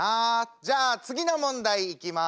じゃあ次の問題いきます。